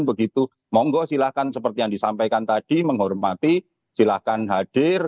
mohon gue silakan seperti yang disampaikan tadi menghormati silakan hadir